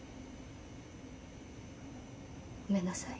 ごめんなさい。